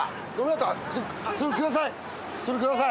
それください。